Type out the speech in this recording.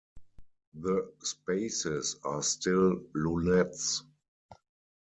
The spaces are still lunettes.